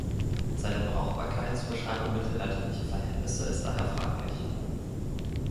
Seine Brauchbarkeit zur Beschreibung mittelalterlicher Verhältnisse ist daher fraglich.